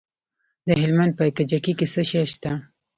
د هلمند په کجکي کې څه شی شته؟